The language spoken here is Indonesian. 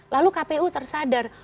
lalu kpu tersadar